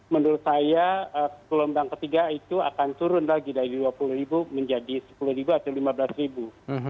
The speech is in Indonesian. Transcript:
menurut saya gelombang ketiga itu akan turun lagi dari dua puluh ribu menjadi sepuluh atau lima belas ribu